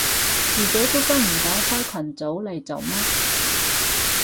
自己都跟唔到開群組嚟做咩